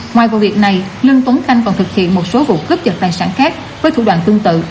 ngoài vụ việc này lương tuấn khanh còn thực hiện một số vụ cướp giật tài sản khác với thủ đoạn tương tự